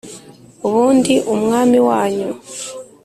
ubu ndi umwami wanyu,